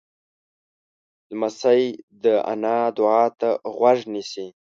لمسی د نیا دعا ته غوږ نیسي.